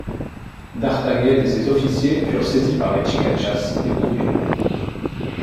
D’Artaguiette et ses officiers furent saisis par les Chicachas et brûlés.